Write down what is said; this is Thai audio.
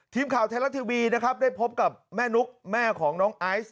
ทีมข่าวไทยรัฐทีวีนะครับได้พบกับแม่นุ๊กแม่ของน้องไอซ์